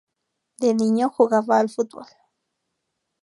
De niño jugaba al fútbol.